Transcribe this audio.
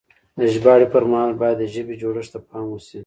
د ژباړې پر مهال بايد د ژبې جوړښت ته پام وشي.